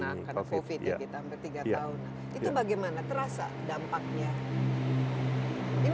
karena covid ya kita bertiga tahun itu bagaimana terasa dampaknya